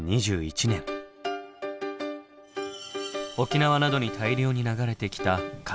沖縄などに大量に流れてきた軽石。